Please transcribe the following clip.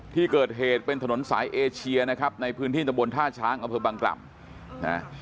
ที่เกิดเหตุเป็นถนนสายเอเชียนะครับในพื้นที่ตะบนท่าช้างอำเภอบังกล่ำนะ